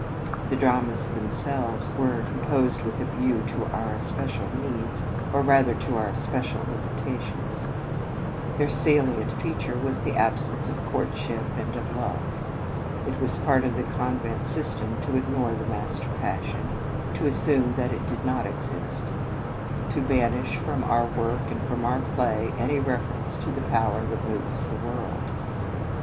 The dramas them selves were composed with a view to our especial needs, or rather to our especial limitations. Their salient 42 The Convent Stage feature was the absence of courtship and of love. It was part of the con vent system to ignore the master pas sion, to assume that it did not exist, to banish from our work and from our play any reference to the power that moves the world.